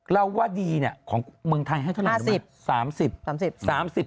เราว่าดีของเมืองไทยให้เท่าไหร่